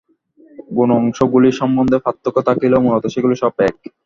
গৌণ অংশগুলি সম্বন্ধে পার্থক্য থাকিলেও মূলত সেগুলি সব এক।